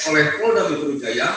oleh polda metrujaya